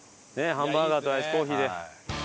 ハンバーガーとアイスコーヒーで。